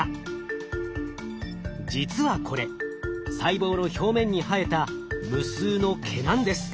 実はこれ細胞の表面に生えた無数の毛なんです。